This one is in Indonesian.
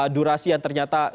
durasi yang ternyata